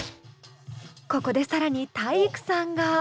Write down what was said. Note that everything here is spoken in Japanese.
ここで更に体育さんが。